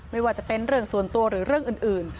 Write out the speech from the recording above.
ไม่ว่าจะเป็นเรื่องส่วนตัวหรือเรื่องอื่น